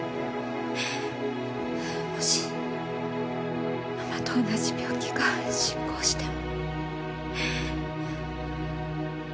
もしママと同じ病気が進行しても。